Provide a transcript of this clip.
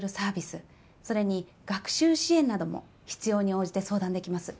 それに学習支援なども必要に応じて相談できます。